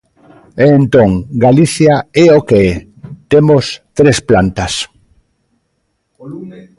E, entón, Galicia é o que é, temos tres plantas.